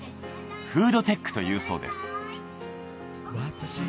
フードテックというそうです。